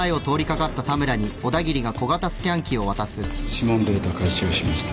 指紋データ回収しました。